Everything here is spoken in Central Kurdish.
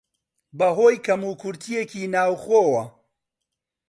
بەهۆی کەموکورتییەکی ناوخۆوە